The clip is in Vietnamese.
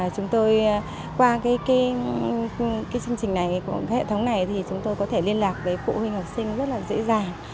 chúng tôi qua chương trình này của hệ thống này thì chúng tôi có thể liên lạc với phụ huynh học sinh rất là dễ dàng